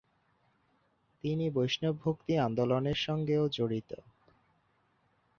তিনি বৈষ্ণব ভক্তি আন্দোলনের সঙ্গেও জড়িত।